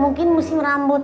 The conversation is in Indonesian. mungkin musim rambutan